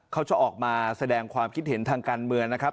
เขาจะออกมาแสดงความคิดเห็นทางการเมืองนะครับ